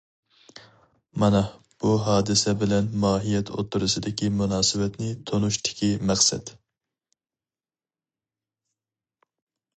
مانا بۇ ھادىسە بىلەن ماھىيەت ئوتتۇرىسىدىكى مۇناسىۋەتنى تونۇشتىكى مەقسەت.